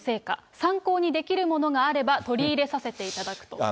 参考にできるものがあれば取り入れさせていただくと。